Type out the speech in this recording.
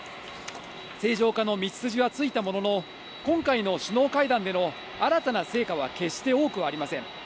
正常化の道筋はついたものの、今回の首脳会談での新たな成果は決して多くはありません。